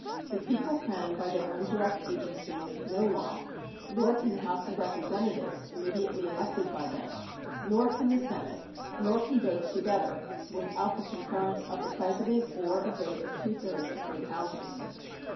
The people can by their own direct agency make no law, nor can the House of Representatives, immediately elected by them, nor can the Senate, nor can both together without the concurrence of the President or a vote of two thirds of both Houses.